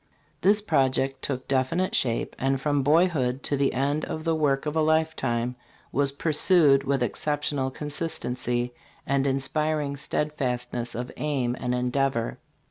This project took definite shape, and from boyhood to the end the work of a lifetime was pursued with exceptional consistency and inspiring steadfastness of aim and endeavor.